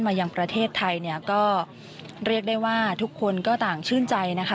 ยังประเทศไทยเนี่ยก็เรียกได้ว่าทุกคนก็ต่างชื่นใจนะคะ